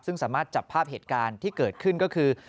ซึ่งสามารถจับภาพเหตุการณ์ที่เกิดขึ้นก็คือ